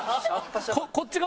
こっち側